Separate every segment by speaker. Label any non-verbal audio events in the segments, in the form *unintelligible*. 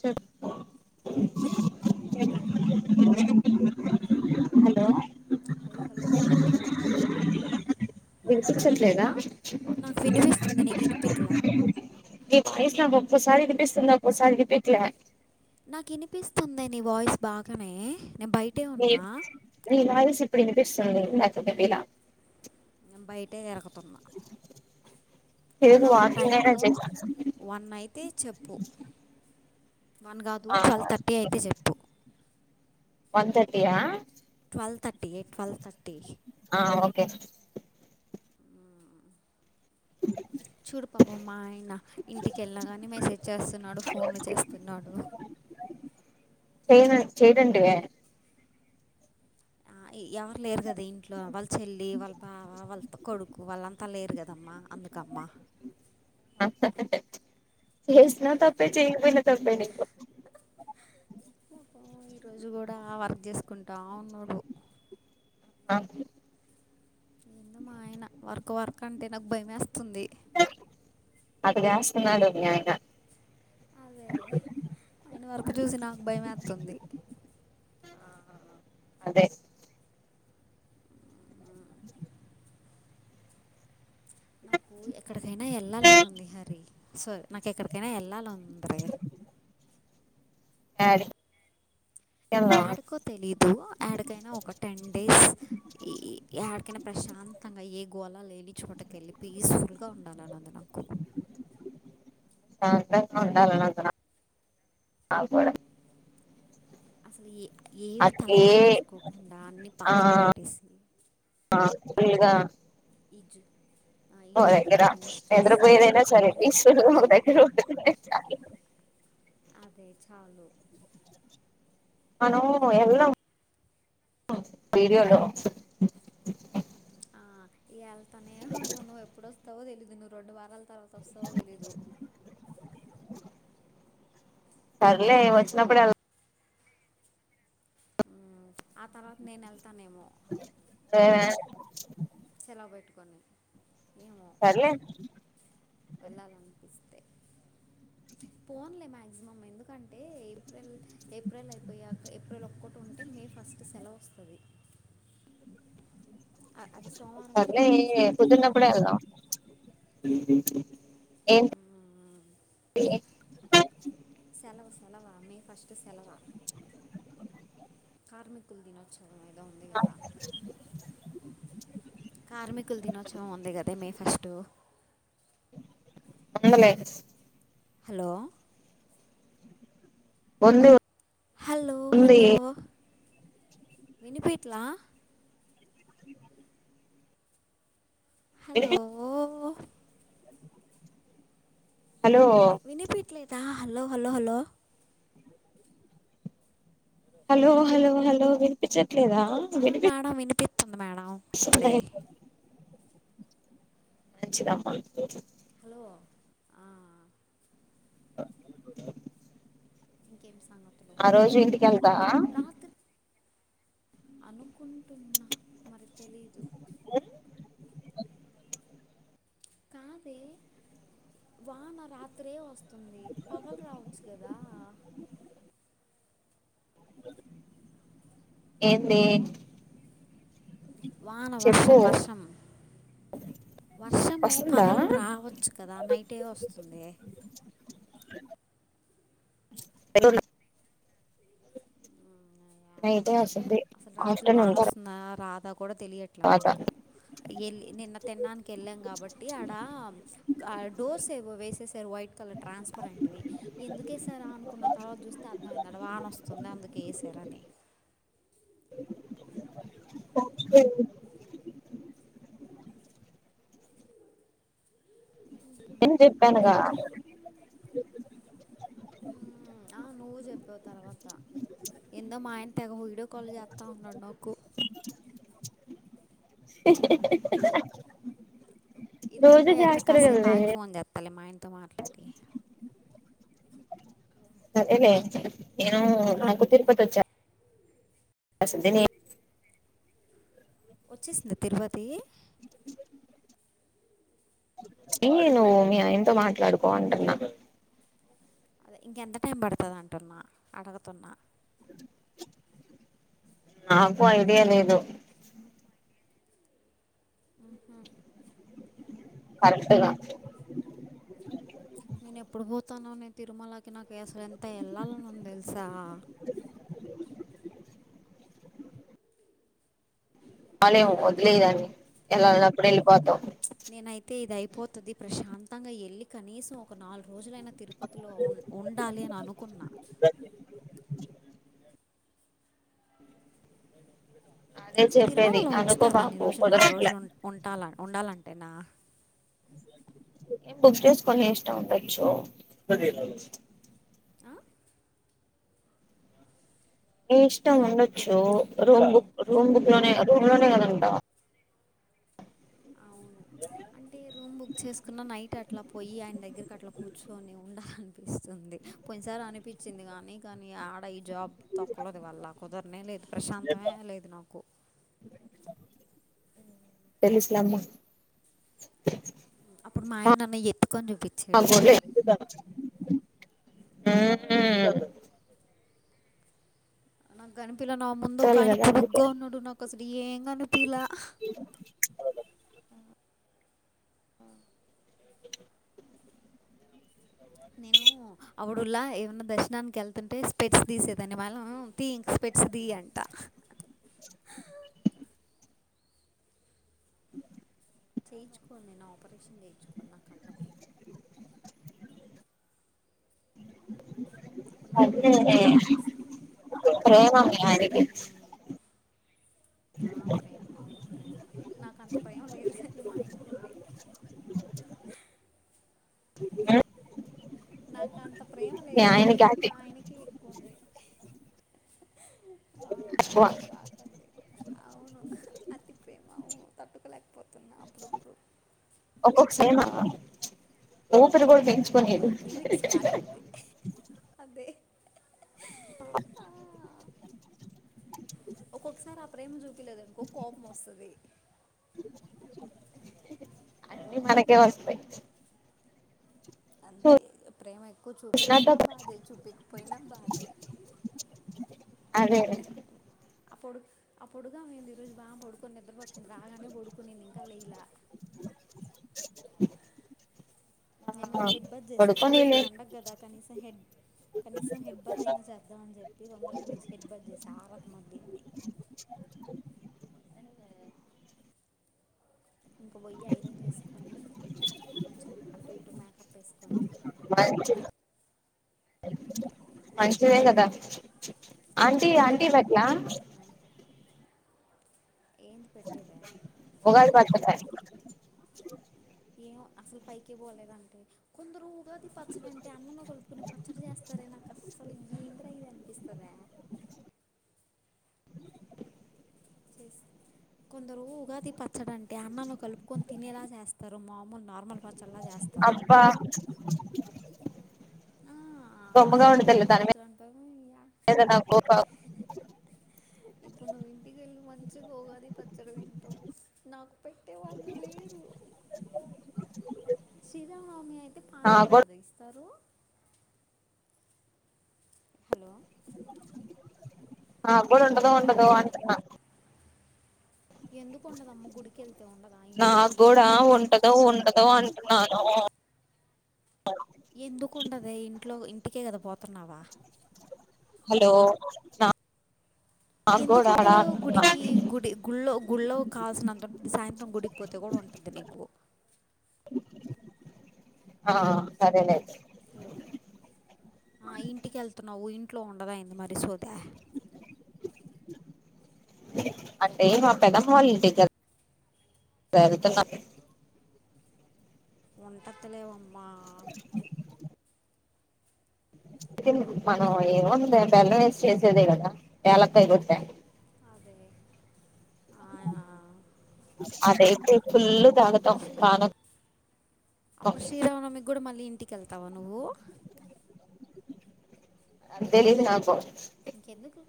Speaker 1: చెప్
Speaker 2: ఏం చేతం ఊ
Speaker 1: *unintelligible*
Speaker 2: హలో హలో వినిపిట్లా
Speaker 1: చిచట్లేదా
Speaker 2: నాకు వినిపిస్తుంది నీకు వినిపిట్లా
Speaker 1: నీ వాయిస్ నాకు ఒకోసారి వినిపిస్తుంది ఒకోసారి వినిపిట్లా
Speaker 2: నాకు వినిపిస్తుందే నీ వాయిస్ బాగానే నేను బయటే ఉన్నా
Speaker 1: లేద్ *unintelligible* వాయిస్ ఇప్పుడు వినిపిస్తుంది నాకు పెట్టి ఇలా
Speaker 2: ఎనం బైట ఇరతుంది
Speaker 1: లేదు
Speaker 2: నాకు
Speaker 1: వాకింగ్ అయినా
Speaker 2: టైము
Speaker 1: చేసా
Speaker 2: వన్ అయితే చెప్పు వన్ కాదు ట్వెల్వ్ థర్టీ అయితే చెప్పు
Speaker 1: వంతయ
Speaker 2: ట్వథటీ ఏ ట్వల్
Speaker 1: ఆ ఓకే
Speaker 2: అమ్మా ఆయన ఇంటికి వెళ్ళినా కానీ మెసేజ్ చేస్తున్నాడు ఫోన్లు చేస్తున్నాడు
Speaker 1: చేను చేయదంటే
Speaker 2: ఆ ఎవరు లేరు కదా ఇంట్లో వాళ్ళు చెల్లి వాళ్ళ బావ వాళ్ళతో కొడుకు వాళ్ళంతా లేరు కదమ్మా అందుకమ్మ
Speaker 1: చేసిన తప్పే చేకపోయినా తప్పే నకు
Speaker 2: పాపం ఈరోజు కూడా వర్క్ చేసుకుంటాం అవునుడు
Speaker 1: అ
Speaker 2: ఏందో మా ఆయన వర్క్ వర్క్ అంటే నాకు భయం వేస్తుంది
Speaker 1: అది స్నడు న్యంగా
Speaker 2: అదే ఆయిన వరకు చూసి నాకు భయేస్తుంది
Speaker 1: ఆ అదే
Speaker 2: నాకు ఎక్కడికైనా వెళ్ళాలని ఉంది హరి సారీ నాకుక్కడికైనా వెళ్ళాల ఉంది ర
Speaker 1: ఆ
Speaker 2: ఎడకో తెలీదు ఎడికైనా ఒక టెన్ డేస్ ఈ ఎడికైనా ప్రశాంతంగా ఏ గోలా లేని చోటక వెెళ్ళి పీస్ఫుల్గా ఉండాలన్నది నాకు
Speaker 1: సాంత్రంగాంగా ఉండాలంత కూడా
Speaker 2: అసలు ఏ ఏవి
Speaker 1: అట్లే
Speaker 2: తలకెక్కించుకోకుండా అన్నీ పక్కన పెట్టేసి
Speaker 1: ఇగా
Speaker 2: ఈజు
Speaker 1: దగ్రా ఎంద్ర పోయదైనా సరే
Speaker 2: వదిలేయాలి
Speaker 1: ఇలు
Speaker 2: వదిలేయాలి
Speaker 1: దర
Speaker 2: అదే చాలు
Speaker 1: అన ఎలా వీడిలో
Speaker 2: ఆ ఈ వెళ్తనే ఉంటావు నువ్వు ఎప్పుడుస్తావో తెలీదు నువ్వు రెండు వారాలు తర్వాత వస్తు తెలీదు
Speaker 1: సర్లే వచ్చినప్పుడు ఎలా
Speaker 2: ఆ తర్వాత నేను వెళ్తానేమో
Speaker 1: వెళ్దాం
Speaker 2: లో పెట్టుకని ఏమో
Speaker 1: సర్లే
Speaker 2: వెళ్ళాలనిపిస్తుంది అే పోన్లే మ్యాక్సిమం ఎందుకంటే ఏప్రిల్ ఏప్రిల్ అయిపోయా ఏప్రిల్ ఒక్కటి ఉంటే మే ఫస్ట్ సెలవు వస్తుంది అది సోమవారమే
Speaker 1: అన్న
Speaker 2: ఎప్పుడో వచ్చింది
Speaker 1: కుదున్నప్పుడే అదా ఏ
Speaker 2: సల సెలవా మే ఫస్ట్ సెలవా కార్మికులు దినోత్సవం ఏదో ఉంది
Speaker 1: ఆ
Speaker 2: కదా కార్మికుల దినోత్సవం ఉంది కదా మే ఫస్ట్
Speaker 1: అలే
Speaker 2: హలో
Speaker 1: ఉంది
Speaker 2: హలో
Speaker 1: ఉంది
Speaker 2: హలో వినిపీట్లా హలో
Speaker 1: హలో
Speaker 2: వినిపిట్లేదా hello hello hello
Speaker 1: hello hello hello వినిపించట్లేదా వినిపి
Speaker 2: ఉంది మేడం ఇప్పుడే
Speaker 1: మంచిదమ్మా
Speaker 2: హలో ఆ ఇంకేం సంగతులు
Speaker 1: ఆ రోజు ఇంటికి వెళ్తావా
Speaker 2: రాత్రి అనుకుంటున్నా మరి తెలీదు
Speaker 1: ఆ
Speaker 2: కాదే వాన రాత్రే వస్తు అతుంది పగలు రావచ్చు కదా హలో
Speaker 1: ఏందే
Speaker 2: వాన వర్షం వర్షం వర్షము
Speaker 1: వస్తుందా
Speaker 2: పగలు రావచ్చు కదా నైటే వస్తుంది
Speaker 1: ఎల్లూరి నైటే వస్తుంది
Speaker 2: అసలు రాత్రిలు వాన
Speaker 1: ఆఫ్టర్నూన్
Speaker 2: వస్తుంద రాదా కూడా తెలియట్లా
Speaker 1: తర్వాత
Speaker 2: నాకు నిన్న తెన్నానికి వెళ్ళాం కాబట్టి ఆడ ఆ డోర్స్ వేససారు వైట్ ట్రాన్స్పరెంట్ ఎందుకేసారా అనుకున్న తర్వాత చూస్తే అర్థమయింది ఆడ వాన వస్తుంది అందుకే ఎశారు తరని
Speaker 1: ఓకే నీన్ చెప్పానుగా
Speaker 2: ఆ నువ్వు చెప్పావు తర్వాత ఎందో మాయన తెగ వీడియో కాలు చేస్తా ఉన్నాడు నాకు ఇది
Speaker 1: రోజు
Speaker 2: అయిపోయాక
Speaker 1: చేస్తారు
Speaker 2: కాసేపు
Speaker 1: కదలే
Speaker 2: ఆగి ఫోన్ చేస్తాలే మా ఆయనతో మాట్లాడి
Speaker 1: హు ఏంలే నేను నాకు తిరుపతొచ్చా అసలు దేని
Speaker 2: వచ్చేసిందా తిరుపతి
Speaker 1: ఏ నువ్వు మీ ఆయతో మాట్లాడుకో అంటున్నా
Speaker 2: ఇంకెంత టైం పడుతుంది అంటున్నా అడుగుతున్నా
Speaker 1: నాకు ఐడియా లేదు
Speaker 2: ఆహా
Speaker 1: కరెక్టుగా
Speaker 2: నేను ఎప్పుడు పోతానోనే తిరుమలకి నా కసులు ఎంత వెళ్ళలని ఉంది తెలుసా
Speaker 1: బాలేం
Speaker 2: నేనైతే
Speaker 1: వదిలేయ్ దాన్ని వేళ్ళని ఉన్నప్పుడు వెళ్ళిపోతాం.
Speaker 2: పోతుంది ప్రశాంతంగా వెళ్ళి కనీసం ఒక నాలుగు రోజులైనా తిరుపతిలో ఉ ఉండాలి అని అనుకున్నా
Speaker 1: అదే చెప్పేది
Speaker 2: తిరుమలలో
Speaker 1: అనుకో
Speaker 2: ఉంచుతారా అన్ని
Speaker 1: బాపు
Speaker 2: రోజులు నాలుగు
Speaker 1: కుదరట్లే
Speaker 2: రోజులు ఉం ఉంటాలం ఉండాలంటేనా
Speaker 1: ఏమ్ బుక్ చేసుకొని ఇష్టం ఉండచ్చు
Speaker 2: ఆ
Speaker 1: మీ ఇష్టం ఉండొచ్చు
Speaker 2: ఏంటది
Speaker 1: రూమ్ బుక్ రూమ్ బుక్ లోనే రూమ్ లోనే కద ఉంటామ్
Speaker 2: అవును అంటే రూమ్ బుక్ చేసుకున్న నైట్ అట్లా పోయి ఆయన దగ్గరకి అట్ అట్లా కూర్చొని ఉండాలనిపిస్తుంది పోయిన్సారి అనిపించింది కాని కానీ ఆడ ఈ జాబ్ తొక్కలోది వళ్ళ కుదరనే లేదు ప్రశాంతమే లేదు నాకు
Speaker 1: తెలులేమ్మా
Speaker 2: అప్పుడు మా ఆయన్ నన్న ఎత్
Speaker 1: హు హు
Speaker 2: నాకు కనిపిలే నా ముందు ఒక
Speaker 1: చాలు
Speaker 2: ఆయన
Speaker 1: కదా అందుకే
Speaker 2: పొడుగ్గా ఉన్నాడు నాకు అసలు ఏం కనిపీలా నేను ఆవిడులా ఏమన్నా దర్శనానికి వెళ్తుంటే పెట్స్ తీసేదాన్ని మనం తీ ఇంక పెట్స్ తీయ అంట చేయించుకోను నేను ఆపరేషన్ చేయించుకోను నా కళ్ళకి అప్పుడు నాకు కూడా
Speaker 1: అదే
Speaker 2: మంచిగ కనిపిస్తది.
Speaker 1: ప్రేనికి అ
Speaker 2: నా ప్రేమ అవును ప్రేమ నాక అంత ప్రేమ లేదు కానీ మా ఆయనకు ఉంది
Speaker 1: ఆ
Speaker 2: నాకు అంత ప్రేమ లేదు
Speaker 1: ఆయనకి
Speaker 2: గాని
Speaker 1: అతి
Speaker 2: మా ఆయనకే ఎక్కువ ఉంది మా
Speaker 1: ఎక్కువ
Speaker 2: ఆయనకి బాగాంది అవును అతి ప్రేమ అవును తార్ట్కుగపోంది
Speaker 1: ఒస పరుగల్ది
Speaker 2: లిమిట్స్ దాట్పోతే అదే ఆ, ఒక్కొక్కసారి అప్రేమ చూపలేదునుకో కోపం వస్తుంది
Speaker 1: అన్నీ మనకే వస్తాయి
Speaker 2: అంతే ప్రేమ నాకు చూపించినా
Speaker 1: చూసినట్టు
Speaker 2: బాధే చూపకపోయినా బాధే
Speaker 1: అదే
Speaker 2: ఆ పొడు ఆ పొడుగాంది ఈ రోజు బాగా పడుకొని నిద్రపోతుంది రాగానే పడుకునిందింకా కలైలా నేను
Speaker 1: ఆ
Speaker 2: హెడ్ బజ చేసా ఈ రోజు
Speaker 1: పడుకోనీలే
Speaker 2: పండగ కదా కనీసం హెడ్ కనీసం హిడ్ బాత్ అయినా చేద్దాం అని చెప్పి తొందరగా లేచ్చి హిట్ బాత్ చేసి ఆరత్మ అని ఇంకా పోయి ఐరన్ చేసుకొని కొంచెం అటు ఇటు మేకప్ వేసుకొని
Speaker 1: మంచి మంచిదే కదా ఆంటీ ఆంటీ పట్లా
Speaker 2: ఏంది పెట్టేదా
Speaker 1: ఉగా బ
Speaker 2: ఏ అసలు పైకి పోలేదంటే కొందరు తతి పచ్చడి అంటే అన్న కలుపుకుని పచ్చడి చేస్తారే నాకు అస్సలు ఈంద్ర ఇది అనిపింది స్తుదా చేస్ కొందరు ఉగాది పచ్చడి అంటే అన్నంలో కలుపుకొని తినేలా చేస్తారు మామూలు నార్మల్ ప
Speaker 1: అబ్బా
Speaker 2: ఆ
Speaker 1: రొమ్మగా
Speaker 2: అదే
Speaker 1: ఉండద
Speaker 2: ఉగాది
Speaker 1: తన
Speaker 2: పచ్చడి అంటారు యా ఇప్పుడు నువ్వు ఇంటికి వెళ్ళి మంచి పోగాది పచ్చడి తంటో నాకు పెట్టే వాళ్ళు లే శ్రీరామనవమి అయితే పానకం కద ఇస్తారు హలో
Speaker 1: ఆ బడు
Speaker 2: హలో
Speaker 1: ఉండదో ఉండదు అంట
Speaker 2: ఎందుకు ఉండదమ్మ గుడికి వెళ్తే ఉండదుా ఆ ఇంట్లో
Speaker 1: నాకు కూడా
Speaker 2: ఎందుకుండదా మరి చెప్ సూదా
Speaker 1: స
Speaker 2: ఎందుకుండదే ఇంట్లో ఇంటికే కదా పోతున్నావా
Speaker 1: హలో నాకు కూడా
Speaker 2: ఎందుకుంటదు గుడికి
Speaker 1: అంటున్నా
Speaker 2: గుడి గుళ్గుో కాల్సినంత సాయంత్రం గుడికి పోతే కూడ ఉ ఉంటుది నీకు
Speaker 1: *unintelligible* ఆ సరేనైతే
Speaker 2: హలో ఆ ఇంటికి వెళ్తున్నావు ఇంట్లో ఉండద ఏంది మరి సోదే
Speaker 1: *unintelligible* అంటే మా పెద వాళ్లింటికి కదా వెళ్తున్నాం
Speaker 2: ఒంటతి లేవమ్మా
Speaker 1: *unintelligible* మనం ఏముంది బెల్ళం ఏస్ చేసేదే కదా ఎలక్కై గొట్టే
Speaker 2: అదే ఆ,
Speaker 1: అదేతే ఫుల్ తాగుతాం పానకం
Speaker 2: అప్పుడు శ్రీరామనమికి కూడా మళ్ళీ ఇంటికి కి వెళ్తావా నువ్వు
Speaker 1: అంతలిది నాకు
Speaker 2: ఇంకెందుకు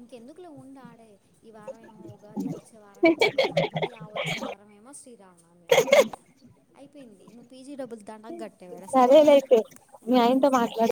Speaker 2: ఇంకెందుకులో ఉండాడే ఈ వారమేమో ఉగాది వచ్చే వారమేమో మీ పాపది ఆ వచ్చే వారేమో శ్రీరామ్మి అయిపోయా అయిపోయింది నువ్వు పీజీ డబ్బులు దాండాకు గట్టవ్ గద సరే బాయ్
Speaker 1: సరేలైతే
Speaker 2: నేను
Speaker 1: మీ
Speaker 2: మళ్ళీ
Speaker 1: ఆయనతో
Speaker 2: చేస్తా
Speaker 1: మాట్లాడు